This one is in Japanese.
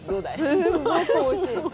すごくおいしい。